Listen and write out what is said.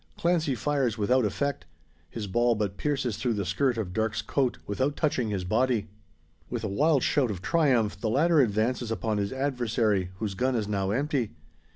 Clancy fires without effect. His ball but pierces through the skirt of Darke's coat, without touching his body. With a wild shout of triumph, the latter advances upon his adversary, whose gun is now empty.